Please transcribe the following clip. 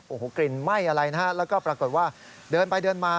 โอ้โหกลิ่นไหม้อะไรนะฮะแล้วก็ปรากฏว่าเดินไปเดินมา